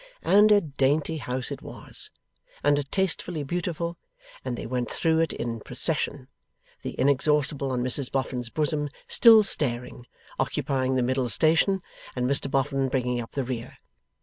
And a dainty house it was, and a tastefully beautiful; and they went through it in procession; the Inexhaustible on Mrs Boffin's bosom (still staring) occupying the middle station, and Mr Boffin bringing up the rear.